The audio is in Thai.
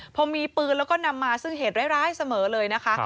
พอมีปืนแล้วก็นำมาซึ่งเหตุร้ายเสมอเลยนะคะ